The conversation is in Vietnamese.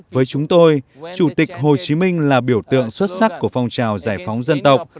với chúng tôi chủ tịch hồ chí minh là biểu tượng xuất sắc của phong trào giải phóng dân tộc